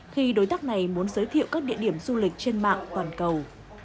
khi đối tác này muốn giới thiệu các địa điểm du lịch trên mạng toàn cầu